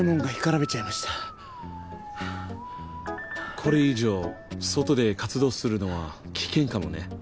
これ以上外で活動するのは危険かもね。